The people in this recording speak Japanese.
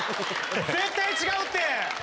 絶対違うって。